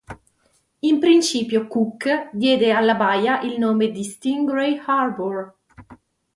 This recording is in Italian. In principio Cook diede alla baia il nome di "Stingray Harbour".